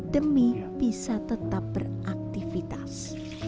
demi bisa tetap beraktifitas